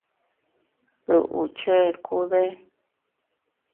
¿Duʼu chekude?